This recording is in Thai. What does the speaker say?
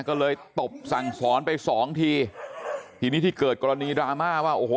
ก็เลยตบสั่งสอนไปสองทีทีนี้ที่เกิดกรณีดราม่าว่าโอ้โห